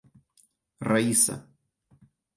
Раиса